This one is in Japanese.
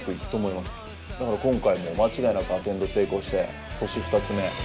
だから今回も間違いなくアテンド成功して。